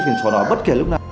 cái sổ đỏ bất kỳ lúc nào